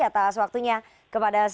atas waktunya kepada cnn indonesia